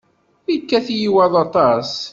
Yekkat-iyi waḍu aṭas.